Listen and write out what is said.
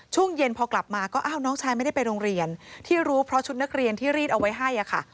ช่วงเย็นพอกลับมาก็อ้าวน้องชายไม่ได้ไปโรงเรียนที่รู้เพราะชุดนักเรียนที่รีดเอาไว้ให้ค่ะ